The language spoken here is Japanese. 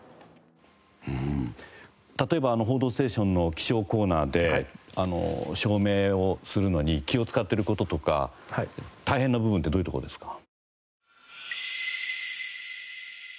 例えば『報道ステーション』の気象コーナーで照明をするのに気を使っている事とか大変な部分ってどういうところですか？